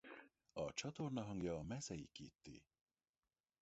A csatorna hangja Mezei Kitty.